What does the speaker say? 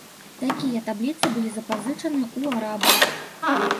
Такія табліцы былі запазычаны ў арабаў.